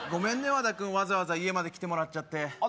和田君わざわざ家まで来てもらっちゃってあっ